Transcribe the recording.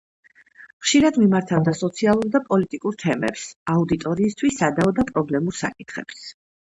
ხშირად მიმართავდა სოციალურ და პოლიტიკურ თემებს, აუდიტორიისთვის სადავო და პრობლემურ საკითხებს.